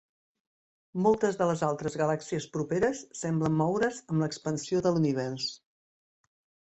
Moltes de les altres galàxies properes semblen moure's amb l'expansió de l'univers.